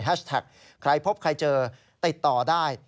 แฮชแท็กใครพบใครเจอติดต่อได้